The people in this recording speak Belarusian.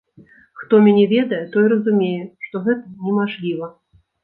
Хто мяне ведае, той разумее, што гэта немажліва.